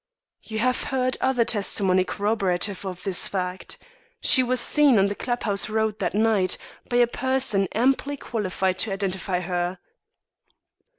"You have heard other testimony corroborative of this fact. She was seen on the club house road that night, by a person amply qualified to identify her."